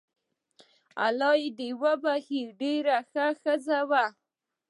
الله دي وبخښي ډیره شه ښځه وو